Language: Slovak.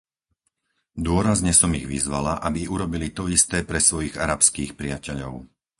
Dôrazne som ich vyzvala, aby urobili to isté pre svojich arabských priateľov.